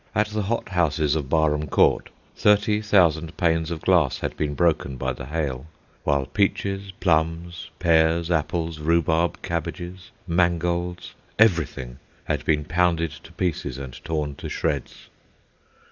At the hothouses of Barham Court, thirty thousand panes of glass had been broken by the hail, while peaches, plums, pears, apples, rhubarb, cabbages, mangolds, everything, had been pounded to pieces and torn to shreds.